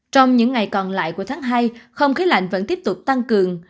trong những ngày còn lại của tháng hai không khí lạnh vẫn tiếp tục tăng cường